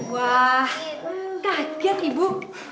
wah kaget ibu